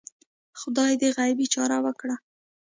خدای دې غیبي چاره وکړه